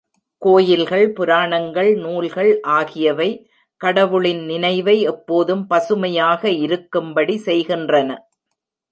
கோயில்கள், புராணங்கள், நூல்கள் ஆகியவை கடவுளின் நினைவை எப்போதும் பசுமையாக இருக்கும்படி செய்கின்றன.